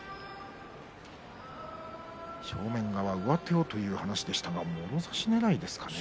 正面側上手をという話ですがもろ差しねらいですかね。